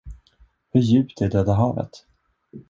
Hur djupt är döda havet?